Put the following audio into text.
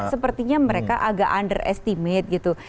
sepertinya mereka agak underestimate gitu